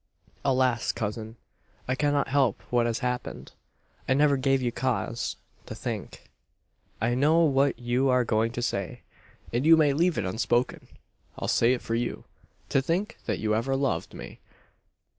"Alas, cousin, I cannot help what has happened. I never gave you cause, to think " "I know what you are going to say; and you may leave it unspoken. I'll say it for you: `to think that you ever loved me.'